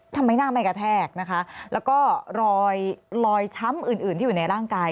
ทำไมหน้าไม่กระแทกนะคะแล้วก็รอยรอยช้ำอื่นอื่นที่อยู่ในร่างกาย